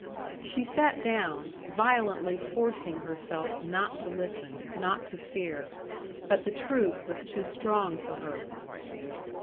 She sat down, violently forcing herself not to listen, not to fear. But the truth was too strong for her.